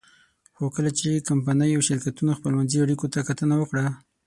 خو کله چې کمپنیو او شرکتونو خپلمنځي اړیکو ته کتنه وکړه.